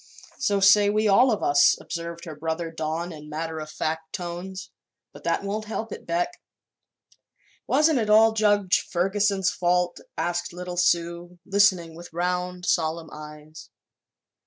"So say we all of us," observed her brother Don in matter of fact tones. "But that won't help it, Beck." "Wasn't it all Judge Ferguson's fault?" asked little Sue, listening with round, solemn eyes.